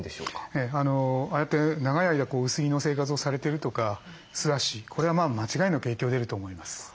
ええ。ああやって長い間薄着の生活をされてるとか素足これは間違いなく影響出ると思います。